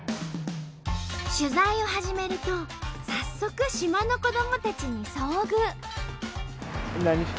取材を始めると早速島の子どもたちに遭遇。